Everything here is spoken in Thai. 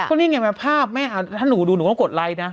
ถ้าหนูดูหนูก็ต้องกดไลค์นะ